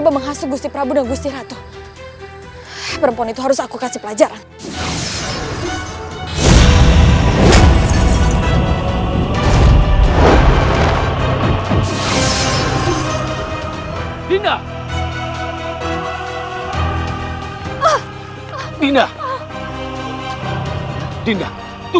tidakanggak atau bila pasti pada hari nanti anda mengalami kesalahan seperti itu